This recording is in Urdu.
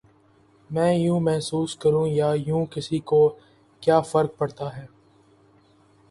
میں یوں محسوس کروں یا یوں، کسی کو کیا فرق پڑتا ہے؟